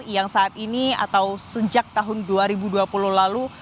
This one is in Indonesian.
yang saat ini atau sejak tahun dua ribu dua puluh lalu